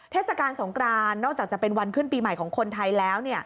เทศกาลสงกรานนอกจากจะเป็นวันขึ้นปีใหม่ของคนไทยแล้ว